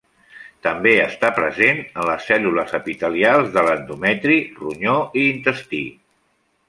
També està present en les cèl·lules epitelials de l'endometri, ronyó i intestí.